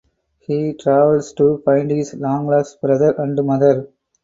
He travels to find his long lost brother and mother.